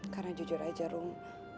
karena jujur aja rung